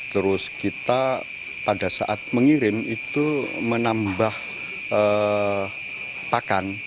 terus kita pada saat mengirim itu menambah pakan